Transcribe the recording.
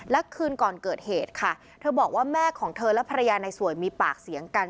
และคืนก่อนเกิดเหตุค่ะเธอบอกว่าแม่ของเธอและภรรยาในสวยมีปากเสียงกัน